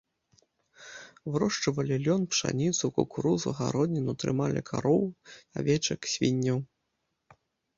Вырошчвалі лён, пшаніцу, кукурузу, гародніну, трымалі кароў, авечак, свінняў.